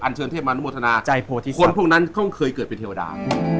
อัญเชิญเทพมานุโมทนาใจโพธิศัพท์คนพวกนั้นเขาเคยเกิดเป็นเทวดา